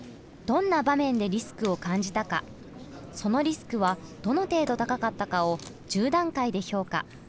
どんな場面でリスクを感じたかそのリスクはどの程度高かったかを１０段階で評価。